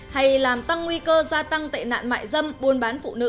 hay làm tăng nguy cơ gia tăng tệ nạn mại dâm buôn bán phụ nữ trẻ em